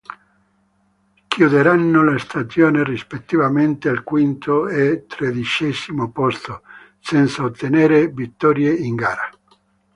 Chiuderanno la stagione rispettivamente al quinto e tredicesimo posto, senza ottenere vittorie in gara.